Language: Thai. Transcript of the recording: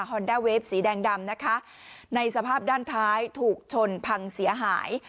อนด้าเวฟสีแดงดำนะคะในสภาพด้านท้ายถูกชนพังเสียหาย